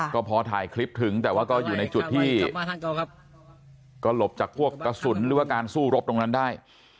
ก็พอถ่ายคลิปถึงแต่ว่าก็อยู่ในจุดที่ก็หลบจากพวกกระสุนหรือว่าการสู้รบตรงนั้นได้